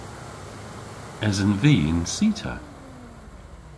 Esen vy y'n cita?